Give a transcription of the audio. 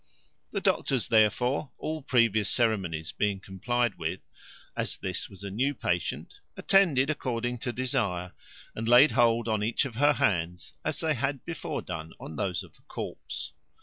The doctors, therefore, all previous ceremonies being complied with, as this was a new patient, attended, according to desire, and laid hold on each of her hands, as they had before done on those of the corpse.